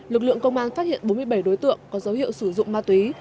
lực lượng công an phát hiện bốn mươi bảy đối tượng có dấu hiệu sử dụng ma túy